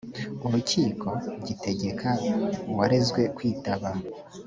urukiko gitegeka uwarezwe kwitaba